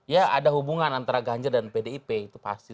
ya ada hubungan antara ganjar dan pdip itu pasti